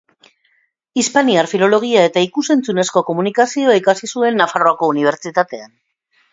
Hispaniar filologia eta ikus-entzunezko komunikazioa ikasi zuen Nafarroako Unibertsitatean.